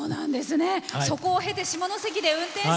そこを経て下関で運転士。